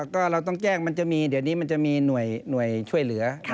ก็เราต้องแจ้งมันจะมีเดี๋ยวนี้มันจะมีหน่วยช่วยเหลือ